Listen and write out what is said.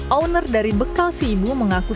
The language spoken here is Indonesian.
owner dari bekal si ibu mengaku